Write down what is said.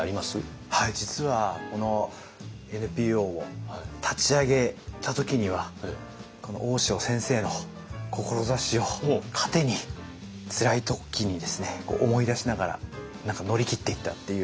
はい実はこのＮＰＯを立ち上げた時にはこの大塩先生の志を糧につらい時にですね思い出しながら何か乗り切っていったっていう。